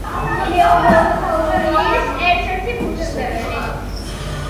გეომორფოლოგიის ერთ-ერთი ფუძემდებელი.